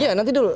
iya nanti dulu